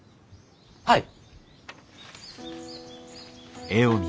はい。